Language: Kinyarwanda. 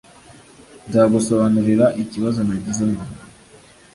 Nzagusobanurira ikibazo nagize nyuma.